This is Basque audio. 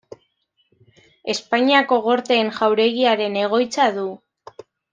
Espainiako Gorteen jauregiaren egoitza du.